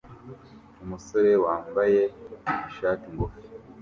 Umusore wambaye ishati ngufi